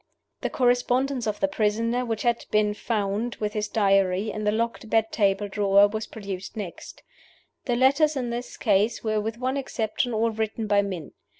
The correspondence of the prisoner, which had been found, with his Diary, in the locked bed table drawer, was produced next. The letters in this case were with one exception all written by men.